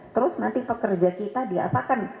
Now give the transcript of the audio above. terus nanti pekerja kita diapakan